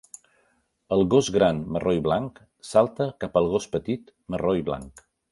El gos gran marró i blanc salta cap al gos petit marró i blanc.